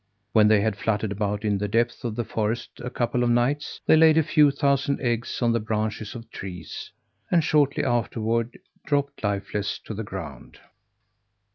When they had fluttered about in the depth of the forest a couple of nights, they laid a few thousand eggs on the branches of trees; and shortly afterward dropped lifeless to the ground.